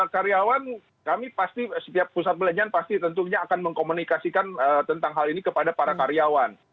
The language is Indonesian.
karyawan kami pasti setiap pusat perbelanjaan pasti tentunya akan mengkomunikasikan tentang hal ini kepada para karyawan